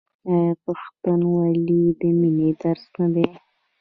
آیا پښتونولي د مینې درس نه دی؟